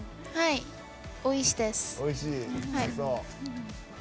おいしいです。